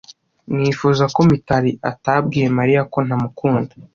Nifuza ko Mitari atabwiye Mariya ko ntamukunda.